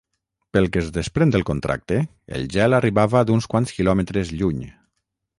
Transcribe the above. Pel que es desprèn del contracte, el gel arribava d'uns quants quilòmetres lluny.